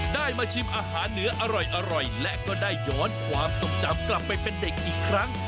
ได้มาชิมอาหารเหนืออร่อยและก็ได้ย้อนความทรงจำกลับไปเป็นเด็กอีกครั้ง